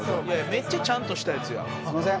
めっちゃちゃんとしたやつやん。